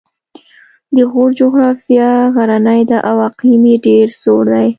د غور جغرافیه غرنۍ ده او اقلیم یې ډېر سوړ دی